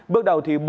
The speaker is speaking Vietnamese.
bước đầu thì bố